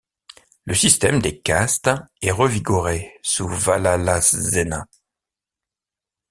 Le système des castes est revigoré sous Vallalasena.